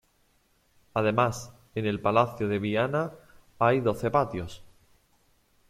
Además, en el palacio de Viana hay doce patios.